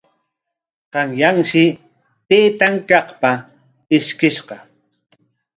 Qanyanshi taytan qaqapa ishkishqa.